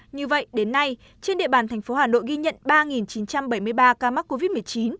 như vậy đến nay trên địa bàn thành phố hà nội ghi nhận ba chín trăm bảy mươi ba ca mắc covid một mươi chín